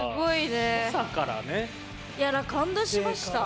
感動しました。